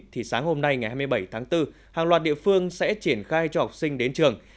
thì sáng hôm nay ngày hai mươi bảy tháng bốn hàng loạt địa phương sẽ triển khai cho học sinh đến trường